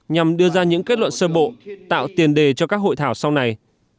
nhằm đưa ra những kết luận sơ bộ tạo tiền đề cho các hội thảo sau này